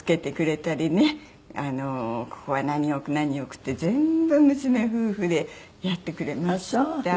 ここは何置く何置くって全部娘夫婦でやってくれました。